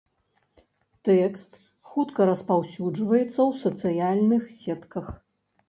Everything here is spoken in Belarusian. Тэкст хутка распаўсюджваецца ў сацыяльных сетках.